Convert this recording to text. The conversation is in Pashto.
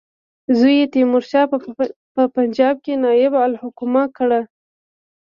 زوی یې تیمورشاه په پنجاب کې نایب الحکومه کړ.